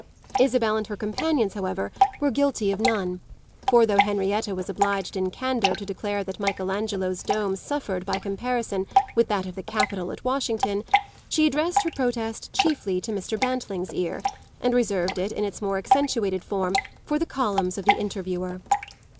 Isabel and her companions, however, were guilty of none; for though Henrietta was obliged in candour to declare that Michael Angelo's dome suffered by comparison with that of the Capitol at Washington, she addressed her protest chiefly to Mr. Bantling's ear and reserved it in its more accentuated form for the columns of the Interviewer.